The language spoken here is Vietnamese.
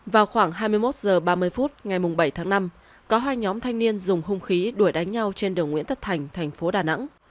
vào khoảng hai mươi một h ba mươi phút ngày bảy tháng năm có hai nhóm thanh niên dùng hung khí đuổi đánh nhau trên đường nguyễn tất thành thành phố đà nẵng